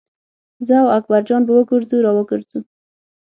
زه او اکبر جان به وګرځو را وګرځو.